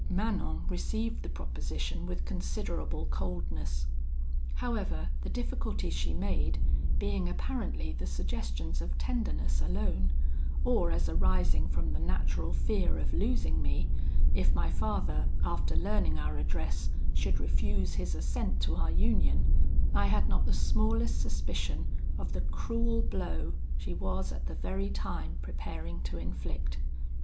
"Manon received the proposition with considerable coldness. However, the difficulties she made, being apparently the suggestions of tenderness alone, or as arising from the natural fear of losing me, if my father, after learning our address, should refuse his assent to our union, I had not the smallest suspicion of the cruel blow she was at the very time preparing to inflict.